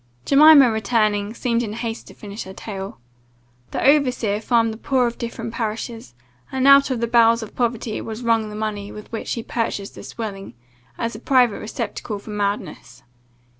Jemima returning, seemed in haste to finish her tale. "The overseer farmed the poor of different parishes, and out of the bowels of poverty was wrung the money with which he purchased this dwelling, as a private receptacle for madness.